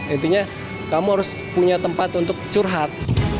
intinya kamu harus punya tempat untuk curhat